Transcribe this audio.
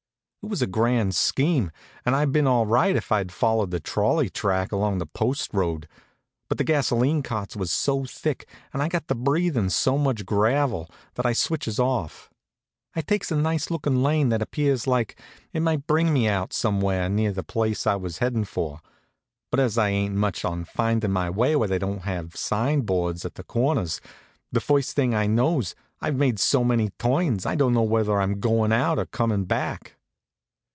It was a grand scheme, and I'd been all right if I'd followed the trolley track along the post road; but the gasolene carts was so thick, and I got to breathin' so much gravel, that I switches off. I takes a nice lookin' lane that appears like it might bring me out somewhere near the place I was headin' for; but as I ain't much on findin' my way where they don't have sign boards at the corners, the first thing I knows I've made so many turns I don't know whether I'm goin' out or comin' back.